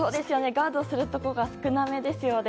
ガードするところが少なめですよね。